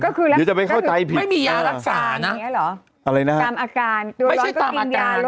ก็คือจะไปเข้าใจผิดไม่มียารักษาน่ะอะไรน่ะตามอาการไม่ใช่ตามอาการ